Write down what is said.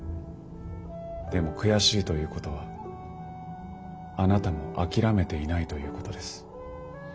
でも悔しいということはあなたも諦めていないということです。